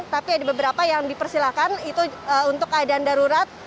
tapi ada beberapa yang dipersilakan itu untuk keadaan darurat